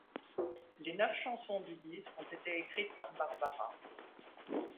Les neuf chansons du disque ont été écrites par Barbara.